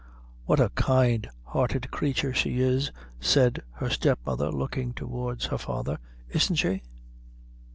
"What a kind hearted creature she is," said her step mother, looking towards her father "isn't she?"